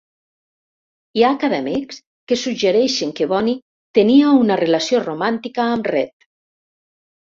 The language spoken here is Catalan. Hi ha acadèmics que suggereixen que Bonny tenia una relació romàntica amb Read.